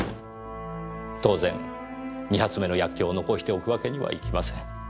当然２発目の薬莢を残しておくわけにはいきません。